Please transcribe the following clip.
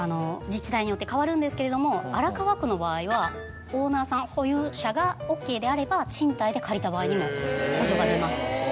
自治体によって変わるんですけれども荒川区の場合はオーナーさん保有者がＯＫであれば賃貸で借りた場合にも補助が出ます。